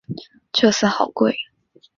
这次好贵